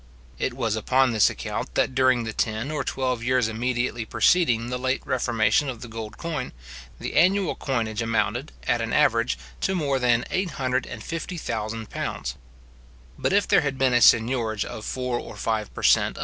It was upon this account, that during the ten or twelve years immediately preceding the late reformation of the gold coin, the annual coinage amounted, at an average, to more than £850,000. But if there had been a seignorage of four or five per cent.